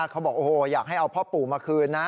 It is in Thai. เขาบอกอยากให้พ่อปู่มาคืน